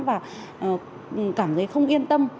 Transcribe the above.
và cảm thấy không yên tâm